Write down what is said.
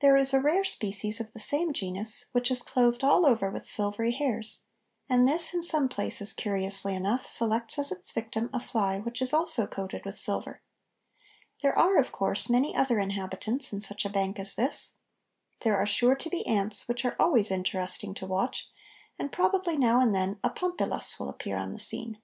There is a rare species of the same genus, which is clothed all over with silvery hairs, and this in some places, curiously enough, selects as its victim a fly which is also coated with silver. There are, of course, many other inhabitants in such a bank as this. There are sure to be ants, which are always interesting to watch, and probably now and then a Pompilus will appear on the scene.